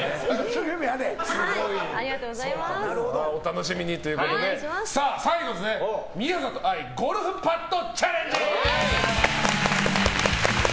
お楽しみにということで最後宮里藍ゴルフパットチャレンジ！